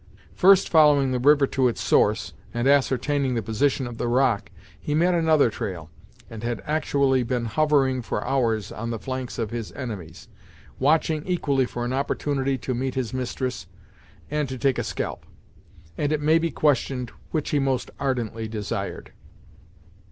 First following the river to its source, and ascertaining the position of the rock, he met another trail, and had actually been hovering for hours on the flanks of his enemies, watching equally for an opportunity to meet his mistress, and to take a scalp; and it may be questioned which he most ardently desired.